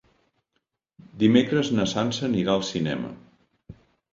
Dimecres na Sança anirà al cinema.